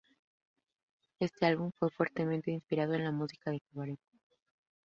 Este álbum fue fuertemente inspirado en la música de cabaret.